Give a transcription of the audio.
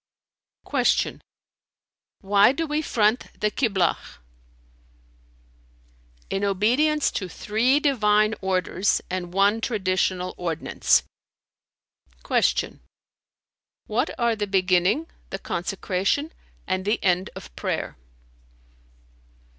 Q "Why do we front the Kiblah[FN#302]?" "In obedience to three Divine orders and one Traditional ordinance." Q "What are the beginning, the consecration and the end of prayer?"